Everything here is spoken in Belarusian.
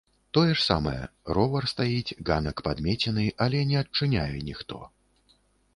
Тое ж самае, ровар стаіць, ганак падмецены, але не адчыняе ніхто.